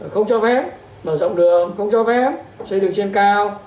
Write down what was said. không cho phép mở rộng đường không cho phép xây dựng trên cao